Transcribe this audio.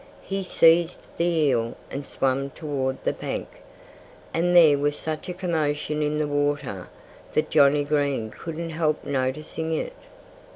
He seized the eel and swam toward the bank. And there was such a commotion in the water that Johnnie Green couldn't help noticing it.